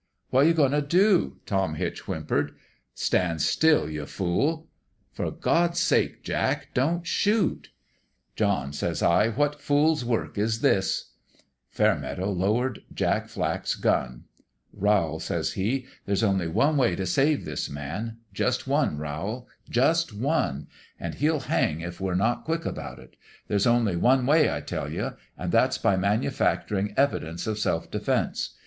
'"What you goin' t' dof Tom Hitch whim pered. '"Standstill, ye fool !'"' For God's sake, Jack, don't shoot !'"' John,' says I, ' what fool's work is this ?'" Fairmeadow lowered Jack Flack's gun. ' Rowl,' says he, ' there's only one way to save 238 FAIRMEADOW'S JUSTICE this man. Just one, Rowl just one. And he'll hang if we're not quick about it There's only one way, I tell you ; and that's by manufactur ing evidence of self defense.